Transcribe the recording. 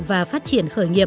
và phát triển khởi nghiệp